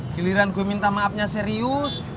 giliran gue minta maafnya serius